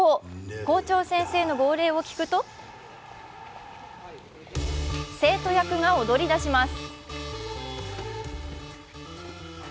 校長先生の号令を聞くと生徒役が踊りだします。